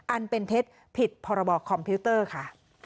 อันเป็นเท็จผิดพรบคอมพิวเตอร์ค่ะ